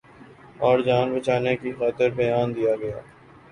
اورجان بچانے کی خاطر بیان دیاگیا۔